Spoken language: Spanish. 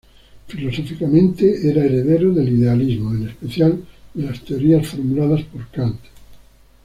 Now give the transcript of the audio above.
Filosóficamente, era heredero del idealismo, en especial de las teorías formuladas por Kant.